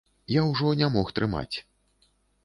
Я ўжо не мог трымаць.